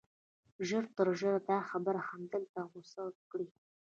ژر تر ژره دا خبره همدلته غوڅه کړئ